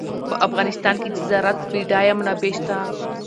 په افغانستان کې د زراعت بډایه منابع شته.